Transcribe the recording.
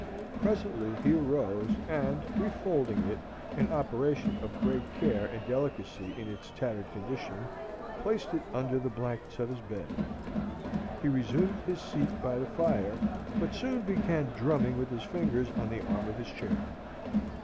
Presently he arose, and, refolding it, an operation of great care and delicacy in its tattered condition, placed it under the blankets of his bed. He resumed his seat by the fire, but soon began drumming with his fingers on the arm of his chair.